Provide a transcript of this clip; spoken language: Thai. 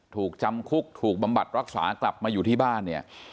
ถูกจำคุกถูกบำบัดรักษากลับมาอยู่ที่บ้านเนี่ย